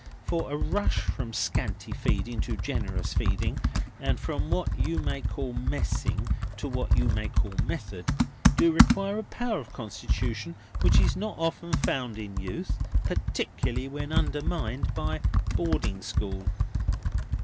For, a rush from scanty feeding to generous feeding, and from what you may call messing to what you may call method, do require a power of constitution which is not often found in youth, particular when undermined by boarding school!"